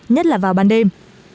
nhất là vào ban đêm